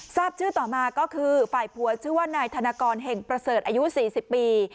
ทราบชื่อต่อมาก็คือฝ่ายผัวชื่อว่านายธนกรเห่งประเสริฐอายุ๔๐ปี